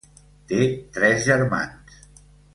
Té tres germans.